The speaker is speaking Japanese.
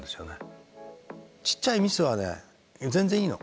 ちっちゃいミスはね全然いいの。